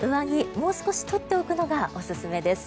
もう少し取っておくのがおすすめです。